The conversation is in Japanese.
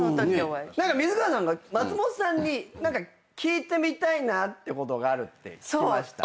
水川さんが松本さんに聞いてみたいことがあるって聞きました。